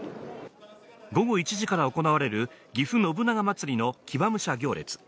午後１時から行われるぎふ信長まつりの騎馬武者行列。